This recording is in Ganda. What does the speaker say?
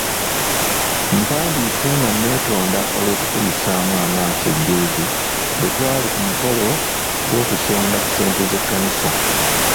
Mpandiise nga nneetonda olw’okukuyisaamu amaaso jjuuzi bwe twali ku mukolo gw’okusonda ssente z’ekkanisa.